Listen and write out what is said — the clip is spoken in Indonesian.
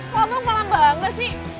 wah bang malah bangga sih